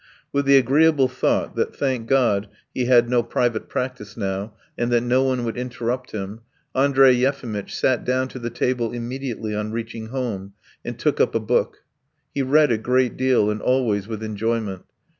With the agreeable thought that, thank God, he had no private practice now, and that no one would interrupt him, Andrey Yefimitch sat down to the table immediately on reaching home and took up a book. He read a great deal and always with enjoyment.